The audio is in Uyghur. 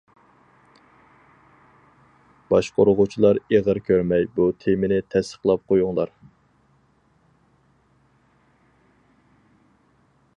باشقۇرغۇچىلار ئېغىر كۆرمەي بۇ تېمىنى تەستىقلاپ قۇيۇڭلار!